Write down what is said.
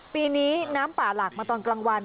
ปีนี้น้ำป่าหลากมาตอนกลางวัน